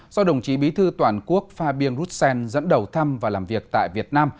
do đồng chí bí thư toàn quốc fabien roussen dẫn đầu thăm và làm việc tại việt nam